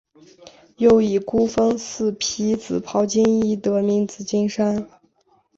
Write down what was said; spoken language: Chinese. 又以孤峰似披紫袍金衣得名紫金山。